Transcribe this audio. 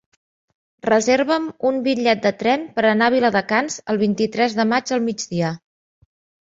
Reserva'm un bitllet de tren per anar a Viladecans el vint-i-tres de maig al migdia.